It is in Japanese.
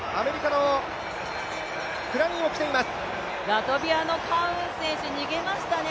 ラトビアのカウン選手逃げましたね。